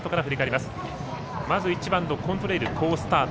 まず１番コントレイル好スタート。